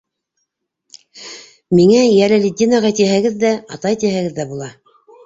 Миңә «Йәләлетдин ағай» тиһәгеҙ ҙә, «атай» тиһәгеҙ ҙә була.